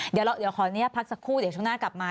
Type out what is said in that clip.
เดี๋ยวขออนุญาตพักสักครู่เดี๋ยวช่วงหน้ากลับมา